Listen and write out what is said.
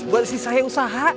buat sisanya usaha